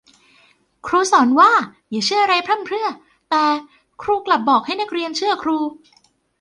ครูสอนว่าอย่าเชื่ออะไรพร่ำเพรื่อ แต่ครูกลับบอกนักเรียนให้เชื่อครู